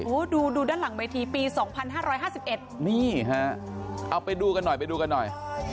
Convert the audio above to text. โอ้ดูด้านหลังบัยทีปีสองพันห้าร้อยห้าสิบเอ็ดนี่ฮะเอาไปดูกันหน่อยไปดูกันหน่อย